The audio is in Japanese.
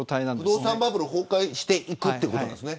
不動産バブル崩壊していくということですね。